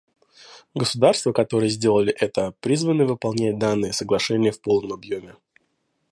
Государства, которые сделали это, призваны выполнять данные соглашения в полном объеме.